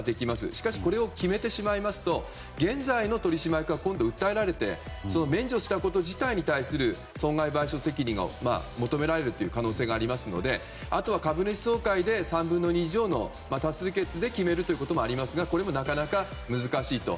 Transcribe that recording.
しかしこれを決めてしまいますと現在の取締役が今度は訴えられて免除したこと自体に対する損害賠償責任を求められる可能性がありますのであとは株主総会で３分の２以上の多数決で決めるということもありますが、これもなかなか難しいと。